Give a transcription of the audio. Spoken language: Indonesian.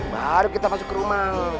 baru kita masuk ke rumah